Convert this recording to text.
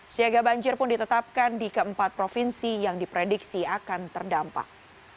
siaga banjir pun ditetapkan di keempat provinsi yang diprediksi akan terdampak